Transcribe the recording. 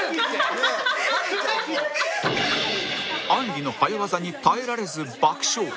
あんりの早ワザに耐えられず爆笑！